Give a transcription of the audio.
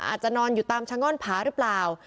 อาจจะนอนอยู่ตามชะง่อนผาหรือเปล่า